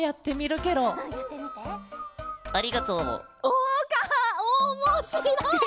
お！かおもしろい！